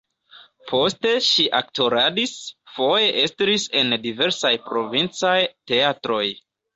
Poste ŝi aktoradis, foje estris en diversaj provincaj teatroj.